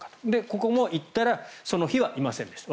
ここも行ったらその日はいませんでした。